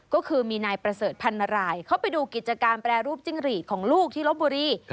ก็คือมีนายประเสริฐพันรายเขาไปดูกิจการแปรรูปจิ้งหลีดของลูกที่ลบบุรี